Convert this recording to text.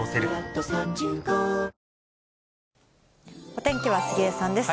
お天気は杉江さんです。